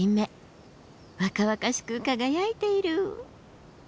若々しく輝いている！